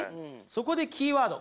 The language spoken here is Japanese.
そこでキーワード